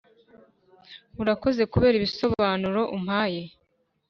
Urakoze kubera ibisobanuro umpaye